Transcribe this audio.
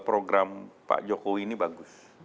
program pak jokowi ini bagus